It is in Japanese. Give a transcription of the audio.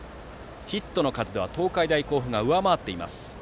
ヒットの数では東海大甲府が上回っています。